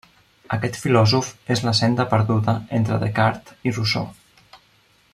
Aquest filòsof és la senda perduda entre Descartes i Rousseau.